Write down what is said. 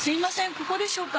ここでしょうか？